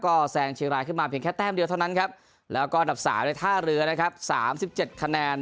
ก็แซงเชียงรายขึ้นมาเพียงแค่แต้มเดียวเท่านั้นครับแล้วก็อันดับ๓ในท่าเรือนะครับ๓๗คะแนน